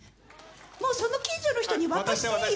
もうその近所の人に渡していいよ。